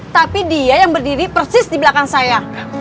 tapi dia yang berdiri persis di belakang saya